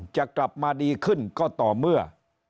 จะกลับมาดีขึ้นก็ต่อเมื่อ